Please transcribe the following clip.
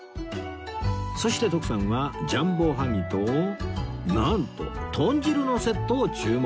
そして徳さんはジャンボおはぎとなんと豚汁のセットを注文